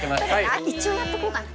一応やっとこうかな。